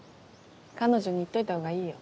彼女に言っといた方がいいよ。